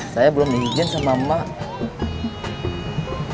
saya belum dihijin sama mbak